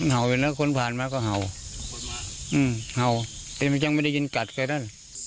มันเขาอยู่แล้วคนผ่านมาก็เห่าอือเห่าแต่ที่ไม่ได้ยินกัดใครทั้งนั้น